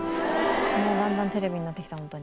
もうだんだんテレビになってきたホントに。